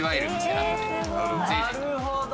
なるほど。